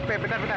eh bentar bentar